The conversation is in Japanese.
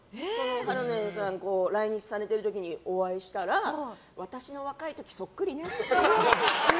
ハロネンさんが来日されてる時お会いしたら私の若い時にそっくりねって。